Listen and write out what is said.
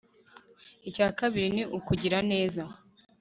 icya kabiri ni ukugira neza